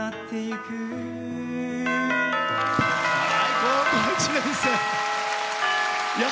高校１年生。